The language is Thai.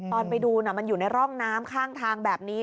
ตอนไปดูมันอยู่ในร่องน้ำข้างทางแบบนี้